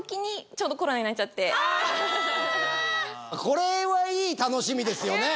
これはいい楽しみですよね。